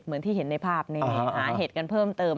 เหมือนที่เห็นในภาพนี้หาเห็ดกันเพิ่มเติม